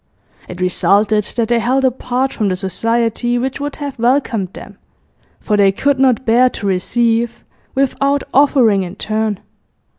It resulted that they held apart from the society which would have welcomed them, for they could not bear to receive without offering in turn.